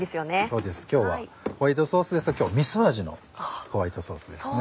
そうです今日はホワイトソースですが今日はみそ味のホワイトソースですね。